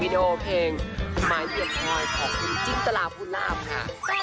วิดีโอเพลงม้าเหยียบพอของคุณจิ้มตระลาภฟุนราภค่ะ